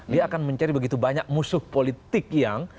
dia akan mencari begitu banyak musuh politik yang